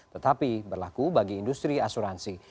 tetapi berlaku bagi industri asuransi